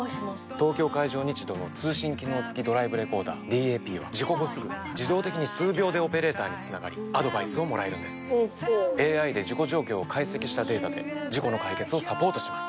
東京海上日動の通信機能付きドライブレコーダーＤＡＰは事故後すぐ自動的に数秒でオペレーターにつながりアドバイスをもらえるんですＡＩで事故状況を解析したデータで事故の解決をサポートします